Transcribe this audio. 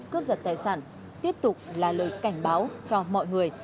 cướp giật tài sản tiếp tục là lời cảnh báo cho mọi người